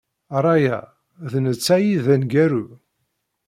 Ṛṛay-a d netta ay d aneggaru.